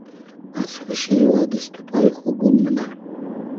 از خوشی وا دیست و پای خو گوم مونۂ